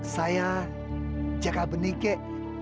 saya jaga benih kek